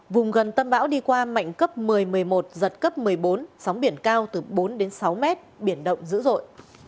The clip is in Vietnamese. vùng gần tâm bão đi qua mạnh cấp một mươi một mươi một giật cấp một mươi bốn sóng biển cao từ bốn đến sáu mét biển động dữ dội